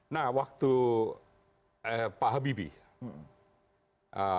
nah waktu pak habibie